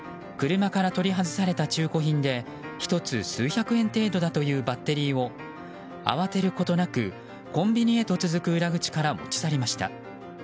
車から取り外された中古品で１つ数百円程度だというバッテリーを、慌てることなくコンビニへと続く裏口から持ち去りました。